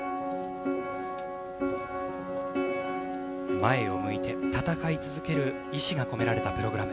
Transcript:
前を向いて戦い続ける意志が込められたプログラム。